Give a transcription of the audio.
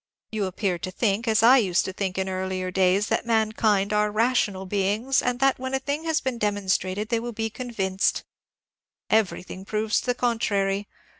You appear to think, as I used to tiiink in earlier days, that mankind are rational beings, and that when a thing has been demonstrated they will be convinced. Everything proves the contrary.